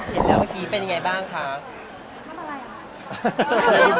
เห็นแล้วเมื่อกี้เป็นยังไงบ้างครับ